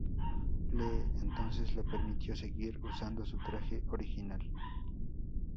Lee, entonces, le permitió seguir usando su traje original.